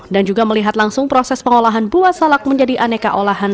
dan juga melihat langsung proses pengolahan buah salak menjadi aneka olahan